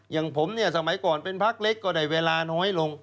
อย่างผมเนี่ยสมัยก่อนเป็นพักเล็กก็ได้เวลาน้อยลง